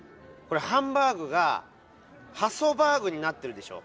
ハンバーグがハソバーグになってるでしょ？